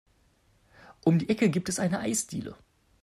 Um die Ecke gibt es eine Eisdiele.